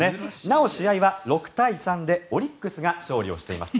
なお、試合は６対３でオリックスが勝利しています。